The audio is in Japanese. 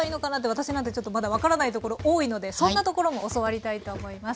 私なんてちょっとまだ分からないところ多いのでそんなところも教わりたいと思います。